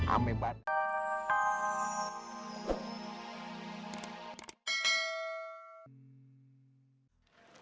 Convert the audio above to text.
nanti kita berdua ngejagain